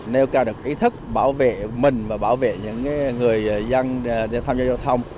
nêu cao được ý thức bảo vệ mình và bảo vệ những người dân giao thông